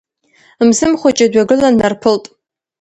Мсым Хәыҷы дҩагылан, днарԥылт.